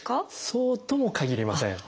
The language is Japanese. そうともかぎりません。